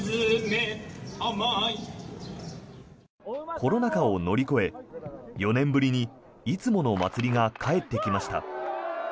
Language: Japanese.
コロナ禍を乗り越え４年ぶりにいつもの祭りが帰ってきました。